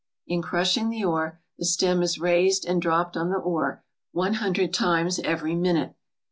In crushing the ore, the stem is raised and dropped on the ore one hundred times every minute.